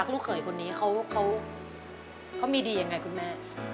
ลูกเขยคนนี้เขามีดียังไงคุณแม่